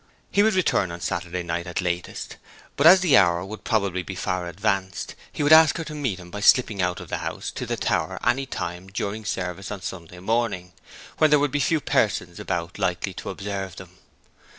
He would return on Saturday night at latest, but as the hour would probably be far advanced, he would ask her to meet him by slipping out of the house to the tower any time during service on Sunday morning, when there would be few persons about likely to observe them.